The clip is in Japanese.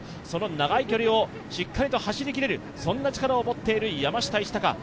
その長い距離をしっかりと走りきれる、そんな力を持っている山下一貴。